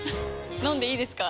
飲んでいいですか？